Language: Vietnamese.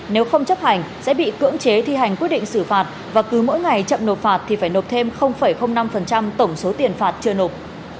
nếu không chấp hành sẽ bị cưỡng chế thi hành quyết định xử phạt và cứ mỗi ngày chậm nộp phạt thì phải nộp thêm năm tổng số tiền phạt chưa nộp